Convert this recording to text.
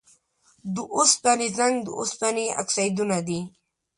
د اوسپنې زنګ د اوسپنې اکسایدونه دي.